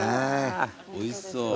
おいしそう。